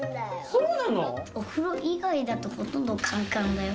そうなの？